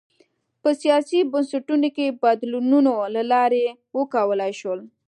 په سیاسي بنسټونو کې د بدلونونو له لارې وکولای شول.